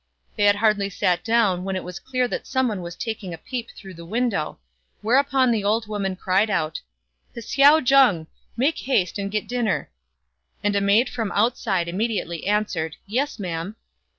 They had hardly sat down when it was clear that some one was taking a peep through the window; whereupon the old woman cried out, " Hsiao jung ! make haste and get dinner," and a maid from outside immediately answered "Yes, ma'am."